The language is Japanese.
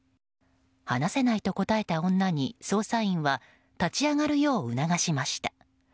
話せないと答えた女に捜査員は立ち上がるよう促しました。